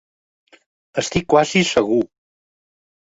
Estic quasi segur.